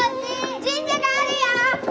神社があるよ！